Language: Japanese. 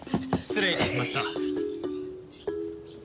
失礼いたしました。